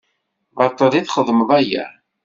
Baṭel i txeddmeḍ aya?